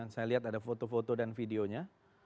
saya lihat ada foto foto dan videonya